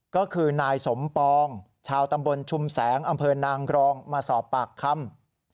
ก็คือนายสมปองชาวตำบลชุมแสงอำเภอนางกรองมาสอบปากคำ